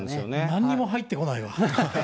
なんにも入ってこないわ。